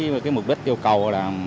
với mục đích yêu cầu